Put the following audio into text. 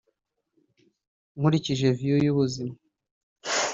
nkurikije view y’ubuzima